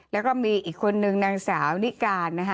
แล้วก็มีอีกคนนึงนางสาวนิการนะคะ